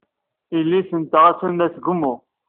Yelli-tneɣ attan la tgemmu.